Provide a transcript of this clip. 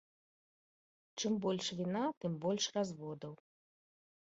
Чым больш віна, тым больш разводаў.